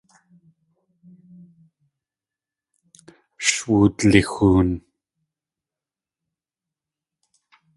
Sh wudlixoon.